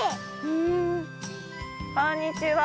こんにちは。